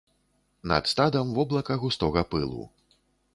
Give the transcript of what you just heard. Над стадам воблака густога пылу.